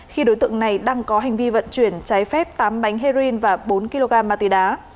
khi đối tượng này đang có hành vi vận chuyển trái phép tám bánh heroin và bốn kg ma túy đá